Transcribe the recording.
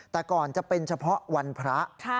แต่ก่อนจะเป็นเฉพาะวันพระ